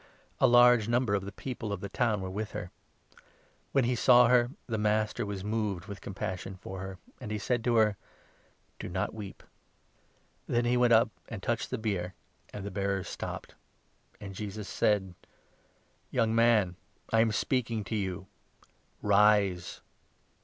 A large number of the people of the town were with her. When he saw her, the Master was moved 13 with compassion for her, and he said to her :" Do not weep." Then he went up and touched the bier, and the bearers 14 stopped ; and Jesus said :" Young man, I am speaking to you — Rise